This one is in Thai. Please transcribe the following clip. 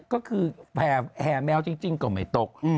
ก็คือแห่แมวจริงก็ไม่ตก